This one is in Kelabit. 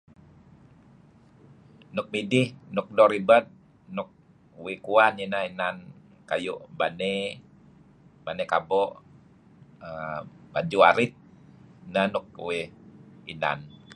Nuk midih nuk doo' ribed, nuk uih kuan ineh kayu' baney, baney kabo', batuh arit ineh nuk inan uih kuan.